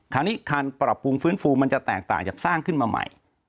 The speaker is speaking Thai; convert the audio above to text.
คราวนี้การปรับปรุงฟื้นฟูมันจะแตกต่างจากสร้างขึ้นมาใหม่